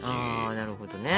なるほどね。